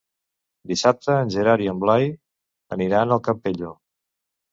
Dissabte en Gerard i en Blai aniran al Campello.